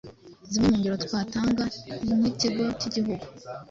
Zimwe mu ngero twatanga ni nk’Ikigo k’Igihugu